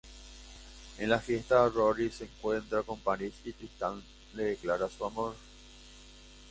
En la fiesta, Rory se encuentra con Paris y Tristan le declara su amor.